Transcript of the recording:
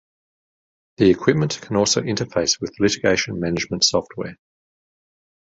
The equipment can also interface with litigation management software.